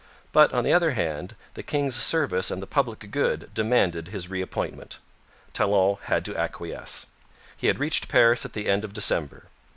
But, on the other hand, the king's service and the public good demanded his reappointment. Talon had to acquiesce. He had reached Paris at the end of December.